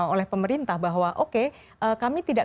oleh pemerintah bahwa oke kami tidak